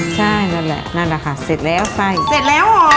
ใช่นั่นแหละนั่นแหละค่ะเสร็จแล้วไส้เสร็จแล้วเหรอ